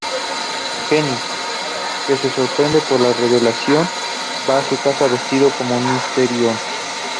Kenny, que se sorprende por la revelación, va a su casa vestido como Mysterion.